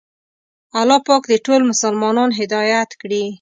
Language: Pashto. الله پاک دې ټول مسلمانان هدایت کړي.